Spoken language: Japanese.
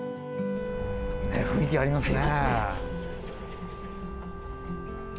雰囲気ありますね。